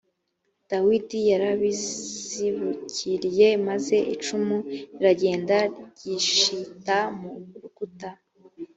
dawidi yarizibukiriye maze icumu riragenda ryishita mu rukuta